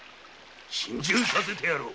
心中させてやろう。